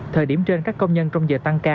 thời điểm trên các công nhân trong giờ tăng ca